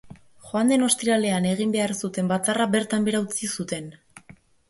Joan den ostiralean egin behar zuten batzarra bertan behera utzi zuten.